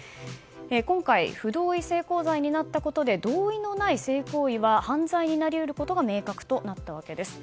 今回不同意性交罪になったことで同意のない性行為は犯罪になり得ることが明確となったわけです。